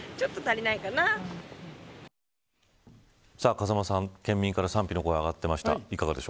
風間さん、県民から賛否の声が上がっていました。